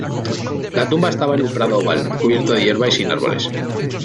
La tumba estaba en un prado oval, cubierto de hierba y sin árboles.